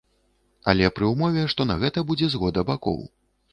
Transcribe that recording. Але пры ўмове, што на гэта будзе згода бакоў.